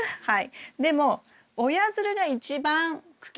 はい。